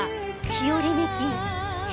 日和見菌？